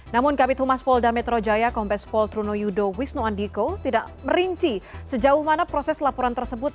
namun kapit humas polda metro jaya kompas pol truno yudo wisnuandiko tidak merinci sejauh mana proses laporan tersebut